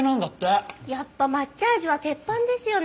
やっぱり抹茶味は鉄板ですよね。